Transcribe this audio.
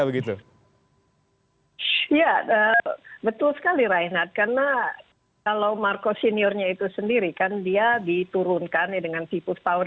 ya betul sekali reinhardt karena kalau marcos seniornya itu sendiri kan dia diturunkan dengan people power